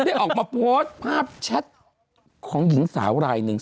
ได้ออกมาโพสต์ภาพแชทของหญิงสาวรายหนึ่ง